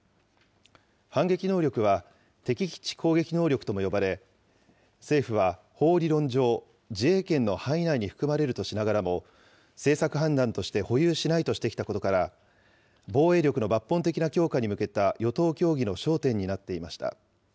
反撃能力は敵基地攻撃能力とも呼ばれ、政府は法理論上、自衛権の範囲内に含まれるとしながらも、政策判断として保有しないとしてきたことから、防衛力の抜本的な強化に向けた与党協議の焦点になっていました。